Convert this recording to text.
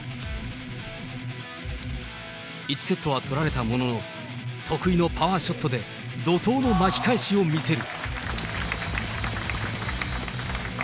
１セットは取られたものの、得意のパワーショットで怒涛の巻き返しを見せる。